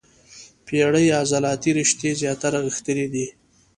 پېړې عضلاتي رشتې زیاتره غښتلي دي.